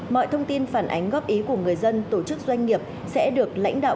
mọi thông tin phản ánh góp ý của người dân tổ chức doanh nghiệp sẽ được lãnh đạo